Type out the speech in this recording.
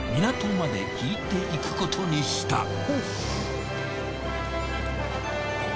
港まで引いていくことにした。